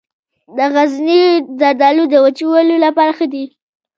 د غزني زردالو د وچولو لپاره ښه دي.